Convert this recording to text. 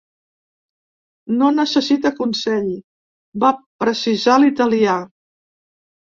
No necessita consell, va precisar l’italià.